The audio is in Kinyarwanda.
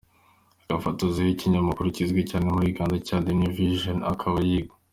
gafotozi wikinyamakuru kizwi cyane muri Uganda cya The New Vision akaba yiga.